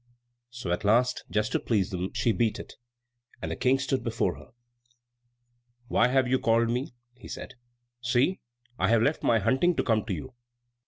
So at last, just to please them, she beat it, and the King stood before her. "Why have you called me?" he said. "See, I have left my hunting to come to you."